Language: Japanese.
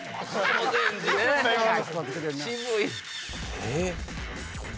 えっ。